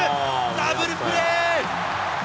ダブルプレー。